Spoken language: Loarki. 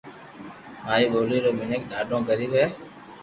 ماري ٻولي رو مينک ڌاڌو غريب ھي